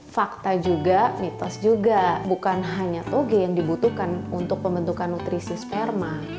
fakta juga mitos juga bukan hanya toge yang dibutuhkan untuk pembentukan nutrisi sperma